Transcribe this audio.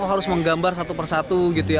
harus menggambar satu persatu gitu ya